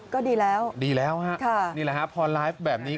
ก็ดีแล้วครับค่ะนี่แหละครับพอไลฟ์แบบนี้